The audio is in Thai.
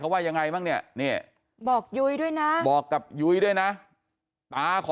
ว่ายังไงบ้างเนี่ยบอกยุ้ยด้วยนะบอกกับยุ้ยด้วยนะตาขอ